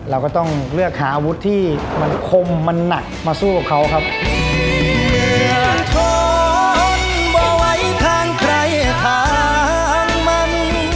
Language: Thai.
เราก็ต้องเลือกหาอาวุธที่มันคมมันหนักมาสู้กับเขาครับ